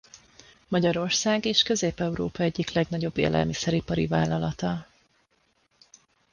Magyarország és Közép-Európa egyik legnagyobb élelmiszeripari vállalata.